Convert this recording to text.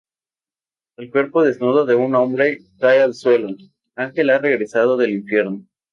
El cuerpo desnudo de un hombre cae al suelo: Ángel ha regresado del Infierno.